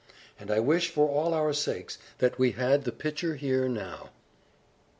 And I wish, for all our sakes, that we had the pitcher here now!